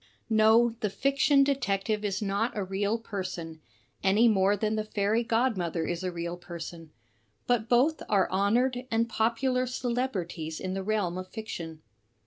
No, the fiction detective is not a real person, any more than 50 THE TECHNIQUE OF THE MYSTERY STORY the fairy godmother is a real person; but both are honored and popular celebrities in the realm of fiction.